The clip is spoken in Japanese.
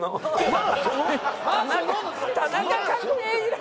田中角栄以来の。